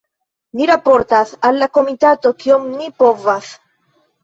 Ni raportas al la komitato, kiom ni povas.